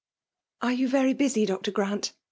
" Are you very busy. Dr. Grant